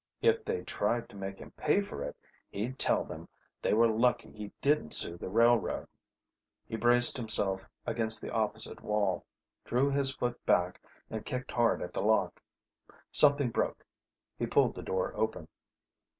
If they tried to make him pay for it, he'd tell them they were lucky he didn't sue the railroad ...He braced himself against the opposite wall, drew his foot back, and kicked hard at the lock. Something broke. He pulled the door open.